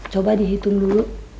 coba dihitung dulu